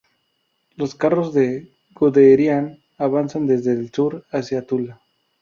Los carros de Guderian avanzan desde el sur hacia Tula.